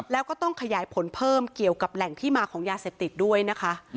แล้วก็ต้องขยายผลเพิ่มเกี่ยวกับแหล่งที่มาของยาเสพติดด้วยนะคะ